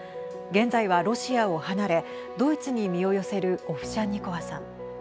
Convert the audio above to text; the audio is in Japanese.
現在は、ロシアを離れドイツに身を寄せるオフシャンニコワさん。